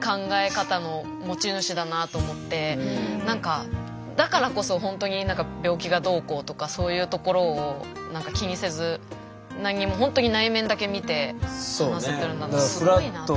何かほんとに何かだからこそほんとに病気がどうこうとかそういうところを気にせず何にもほんとに内面だけ見て話せてるんだなすごいなと思って。